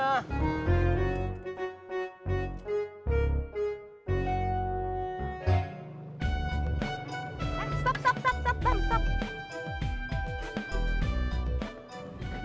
uy bang buruan bang dawetnya